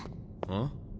ん？